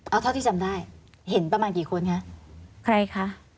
เอาเท่าที่จำได้เห็นประมาณกี่คนคะใครคะ